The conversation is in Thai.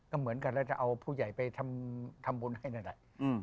ก็เหมือนกันแล้วจะเอาผู้ใหญ่ไปทำบุญให้นั่นแหละ